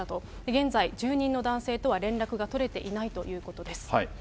現在、住人の男性とは連絡が取れていないということです。